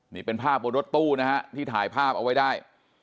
นี่เป็นภาพบนรถตู้นะฮะที่ถ่ายภาพเอาไว้ได้